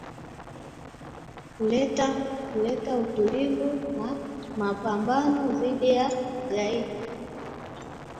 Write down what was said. kuleta utulivu na mapambano dhidi ya ugaidi